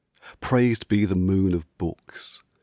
Praised be the moon of books!